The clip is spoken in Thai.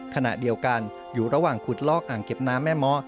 ขณะเดียวกันอยู่ระหว่างขุดลอกอ่างเก็บน้ำแม่เมาะ